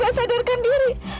gak sadarkan diri